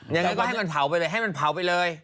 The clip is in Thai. ยังไงก็ให้มันเผาไปเลยให้มันเผาไปเลย